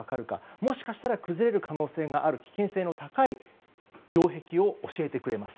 もしかしたら崩れる危険性の高い擁壁を教えてくれます。